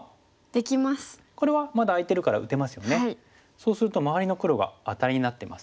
そうすると周りの黒がアタリになってます。